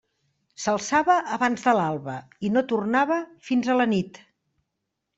S'alçava abans de l'alba i no tornava fins a la nit.